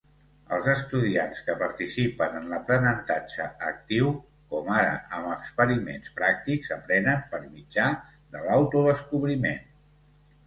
Els estudiants que participen en l'aprenentatge actiu, com ara amb experiments pràctics, aprenen per mitjà de l'autodescobriment.